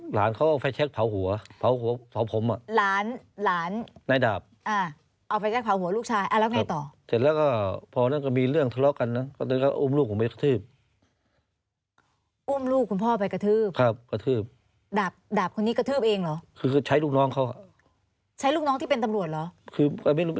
หลานเขายังไปกระเฉ็กเผาหัวพอผม